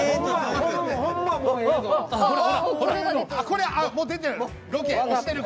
これもう出てる！